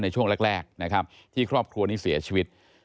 ในช่วงแรกนะครับที่ครอบครัวนี้เสียชีวิต